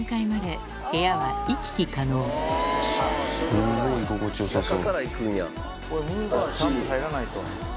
すごい居心地よさそう。